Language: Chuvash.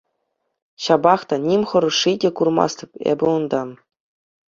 Ҫапах та ним хӑрушши те курмастӑм эпӗ унта.